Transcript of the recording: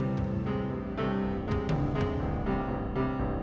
aku nyari kertas sama pulpen dulu ya